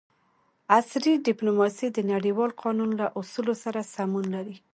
عصري ډیپلوماسي د نړیوال قانون له اصولو سره سمون لري